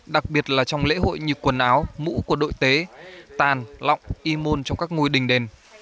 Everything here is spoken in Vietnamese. đặc biệt là trong lễ hội như quần áo mũ của đội tế tàn lọng y môn trong các ngôi đình đền